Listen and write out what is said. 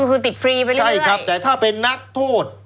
ก็คือติดฟรีไปเลยใช่ครับแต่ถ้าเป็นนักโทษ